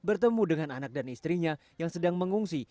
dan bertemu dengan anak dan istrinya yang sedang mengungsi